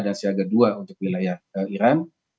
dan siaga dua untuk wilayah iran